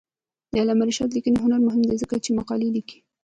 د علامه رشاد لیکنی هنر مهم دی ځکه چې مقالې لیکي.